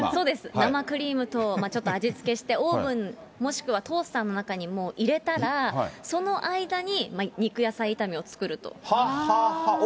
生クリームとちょっと味付けして、オーブン、もしくはトースターの中に入れたら、その間に肉野菜炒めを作ると。